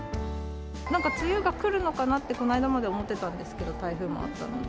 なんか梅雨が来るのかなって、この間まで思ってたんですけど、台風もあったので。